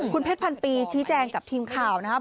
คุณเพชรพันปีชี้แจงกับทีมข่าวนะครับ